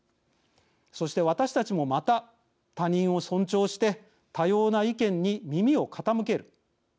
そして、私たちもまた他人を尊重して多様な意見に耳を傾ける。